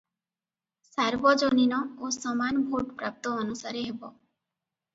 ସାର୍ବଜନୀନ ଓ ସମାନ ଭୋଟପ୍ରାପ୍ତ ଅନୁସାରେ ହେବ ।